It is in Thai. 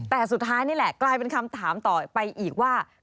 แต่สุดท้ายนี่แหละกลายเป็นคำถามต่อไปอีกว่า